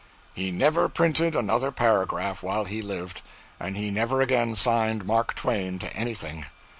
He never printed another paragraph while he lived, and he never again signed 'Mark Twain' to anything.